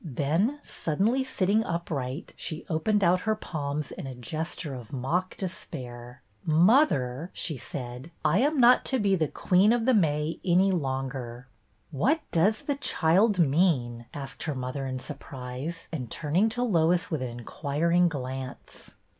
Then, suddenly sitting upright, she opened out her palms in a gesture of mock despair. "Mother," she said, "I'm not to be the ' Queen of the May ' any longer." " What does the child mean ?" asked her mother, in surprise, and turning to Lois with an inquiring glance.